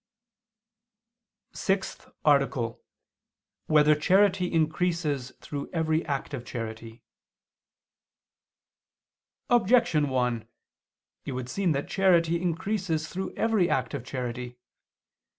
_______________________ SIXTH ARTICLE Whether Charity Increases Through Every Act of Charity? Objection 1: It would seem that charity increases through every act of charity.